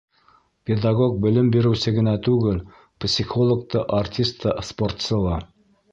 Педагог белем биреүсе генә түгел, психолог та, артист та, спортсы ла.